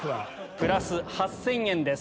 プラス８０００円です。